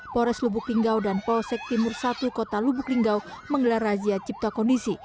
pores lubuk linggau dan polsek timur satu kota lubuk linggau menggelar razia cipta kondisi